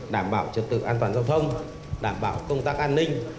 đảm bảo trật tự an toàn giao thông đảm bảo công tác an ninh